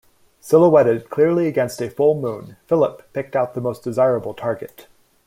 Silhouetted clearly against a full moon, "Philip" picked out the most desirable target.